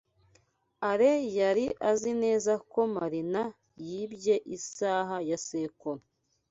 Alain yari azi neza ko Marina yibye isaha ya sekuru.